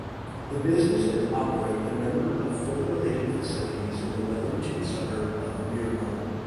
The businesses operate a number of film-related facilities in the Wellington suburb of Miramar.